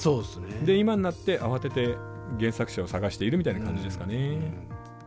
で今になって慌てて原作者を探しているみたいな感じですかね。